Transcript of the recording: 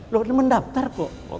loh dia mendaftar kok